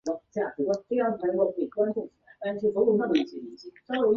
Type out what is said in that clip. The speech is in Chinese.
恋歌的主题是爱。